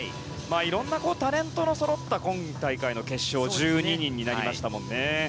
いろんなタレントのそろった今大会の決勝１２人になりました。